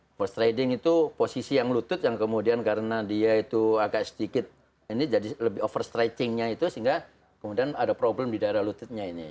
overtrading itu posisi yang lutut yang kemudian karena dia itu agak sedikit ini jadi lebih over stretchingnya itu sehingga kemudian ada problem di daerah lututnya ini